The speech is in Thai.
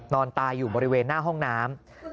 นอนตายอยู่บริเวณหน้าห้องน้ำ